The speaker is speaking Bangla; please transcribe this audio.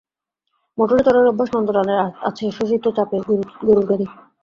মোটরে চড়ার অভ্যাস নন্দলালের আছে, শশী তো চাপে গোরুর গাড়ি।